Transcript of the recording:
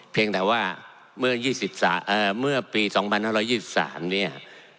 เพียงแต่ว่าเมื่อปี๒๕๒๓เนี่ย